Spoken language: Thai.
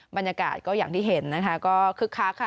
บรรยากาศก็อย่างที่เห็นนะคะก็คึกคักค่ะ